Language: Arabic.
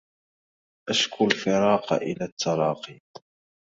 أشكو الفراق إلى التلاقي